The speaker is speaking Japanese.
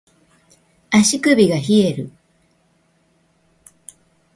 足首が冷える